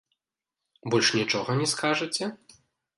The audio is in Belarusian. Больш нічога не скажаце?